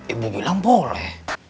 ibu bilang boleh